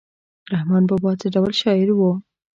رحمان بابا څه ډول شاعر و؟